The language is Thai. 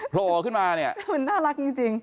โผล่อขึ้นมามันน่ารักจริง